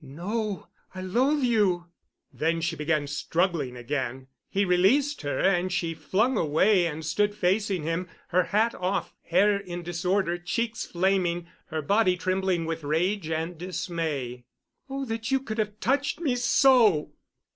"No. I loathe you." Then she began struggling again; he released her, and she flung away and stood facing him, her hat off, hair in disorder, cheeks flaming, her body trembling with rage and dismay. "Oh, that you could have touched me so!"